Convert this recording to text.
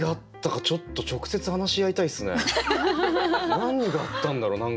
何があったんだろう何か。